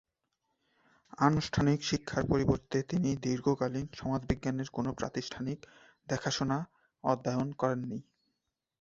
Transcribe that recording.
আনুষ্ঠানিক শিক্ষার পরিবর্তে তিনি দীর্ঘকালীন সমাজবিজ্ঞানের কোনও প্রাতিষ্ঠানিক দেখাশোনা অধ্যয়ন করেননি।